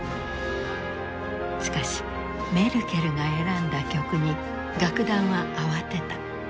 しかしメルケルが選んだ曲に楽団は慌てた。